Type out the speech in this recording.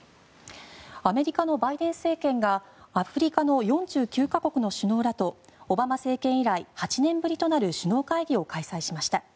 アメリカのバイデン政権がアフリカの４９か国の首脳らとオバマ政権以来８年ぶりとなる首脳会議を開催しました。